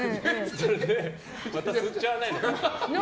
それでまた吸っちゃわないのかなって。